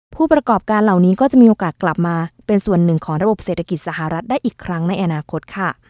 ผู้ประกอบการเหล่านี้ก็จะมีโอกาสกลับมาเป็นส่วนหนึ่งของระบบเศรษฐกิจสหรัฐได้อีกครั้งในอนาคตค่ะ